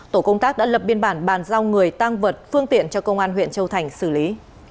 tổ công tác đã lập biên bản bàn giao người tăng vật phương tiện cho công an huyện châu thành xử lý